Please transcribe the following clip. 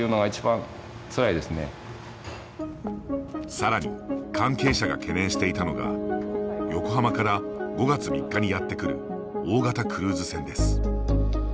さらに関係者が懸念していたのが横浜から５月３日にやってくる大型クルーズ船です。